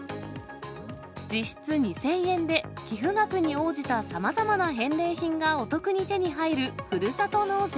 実質２０００円で、寄付額に応じたさまざまな返礼品がお得に手に入るふるさと納税。